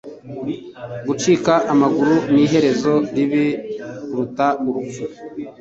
Gucika amaguru ni iherezo ribi kuruta urupfu